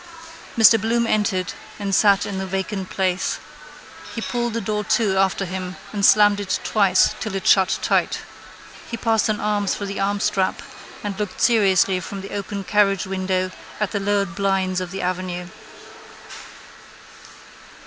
Mr Bloom entered and sat in the vacant place. He pulled the door to after him and slammed it twice till it shut tight. He passed an arm through the armstrap and looked seriously from the open carriagewindow at the lowered blinds of the avenue.